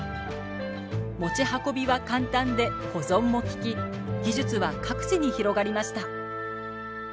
持ち運びは簡単で保存も利き技術は各地に広がりました